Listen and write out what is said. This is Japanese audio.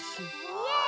うわ！